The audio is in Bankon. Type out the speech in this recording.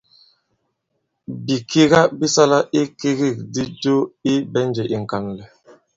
Bìkiga bi sala ikigikdi jo i ɓɛ̀njì ì ŋ̀kànlɛ̀.